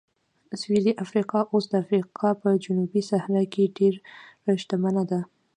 سویلي افریقا اوس د افریقا په جنوبي صحرا کې ډېره شتمنه ده.